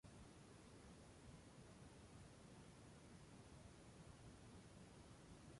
Es un insecto muy dañino.